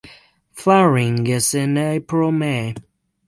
Flowering is in April–May.